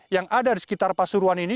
yang ada di sekitar pasuruan ini